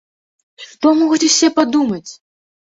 Што могуць усе падумаць!